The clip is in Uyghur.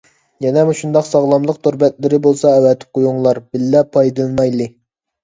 يەنە مۇشۇنداق ساغلاملىق تور بەتلىرى بولسا ئەۋەتىپ قويۇڭلار، بىللە پايدىلىنايلى.